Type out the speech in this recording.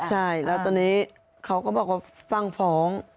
ใช่แล้วตอนนี้เขาก็บอกว่าฟังฟ้อง